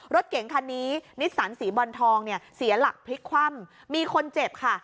รถเก๋งคันนี้นิสสันสีบอลทองเนี่ยเสียหลักพลิกคว่ำมีคนเจ็บค่ะ